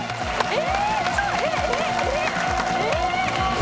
え⁉